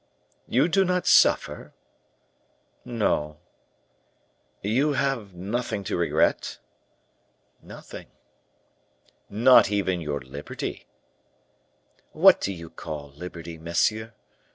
"You do not suffer?" "No." "You have nothing to regret?" "Nothing." "Not even your liberty?" "What do you call liberty, monsieur?"